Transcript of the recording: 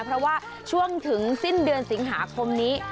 เพราะว่าช่วงถึงสิ้นเดือนสิงหาคมนี้